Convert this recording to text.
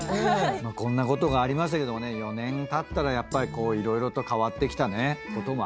こんなことがありましたけどもね４年たったらやっぱりこう色々と変わってきたこともあるでしょうからね。